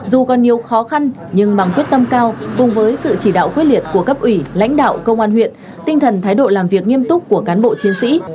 dù còn nhiều khó khăn nhưng bằng quyết tâm cao cùng với sự chỉ đạo quyết liệt của cấp ủy lãnh đạo công an huyện tinh thần thái độ làm việc nghiêm túc của cán bộ chiến sĩ